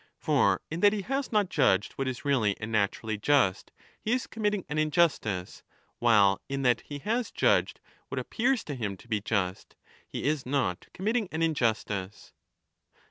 For in that he has not judged what is really and naturally just, he is committing an injustice, while in that he has judged what appears to him to be just, he is not committing an in justice.